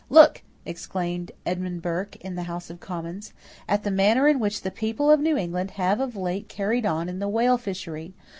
"Look," exclaimed Edmund Burke, in the House of Commons, "at the manner in which the people of New England have of late carried on the whale fishery.